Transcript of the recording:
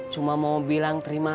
cuma mau bilang terima